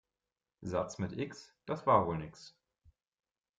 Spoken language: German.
Satz mit X, das war wohl nix.